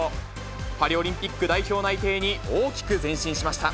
パリオリンピック代表内定に大きく前進しました。